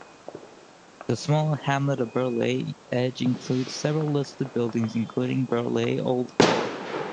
The small hamlet of Birley Edge includes several listed buildings including Birley Old Hall.